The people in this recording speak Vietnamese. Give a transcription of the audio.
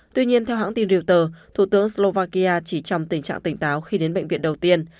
tuy nhiên theo hãng tin reuters thủ tướng slovakia chỉ trong tình trạng tỉnh táo khi đến bệnh viện đầu tiên